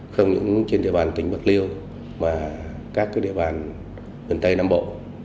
không những trên địa bàn tỉnh bạc liêu mà các địa bàn miền tây nam bộ